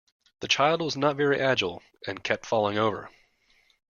The child was not very agile, and kept falling over